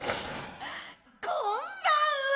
こんばんは！